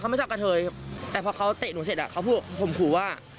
เขาไม่ชอบกระเทยแต่พอเขาเตะหนูเสร็จเขาพูดว่าผมขอว่า